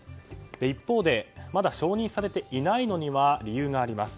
一方でまだ承認されていないのには理由があります。